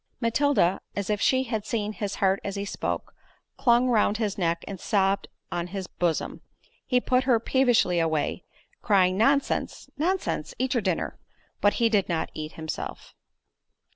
Matilda, as if she had seen his heart as he spoke, clung round his neck and sobbed on his bosom: he put her peevishly away, crying "Nonsense, nonsense—eat your dinner." But he did not eat himself.